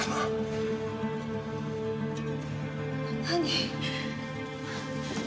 何？